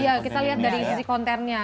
iya kita lihat dari sisi kontennya